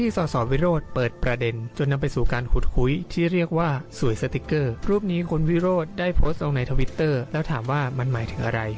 สวยสติ๊กเกอร์รูปนี้คุณวิโรธได้โพสต์ออกในทวิตเตอร์แล้วถามว่ามันหมายถึงอะไร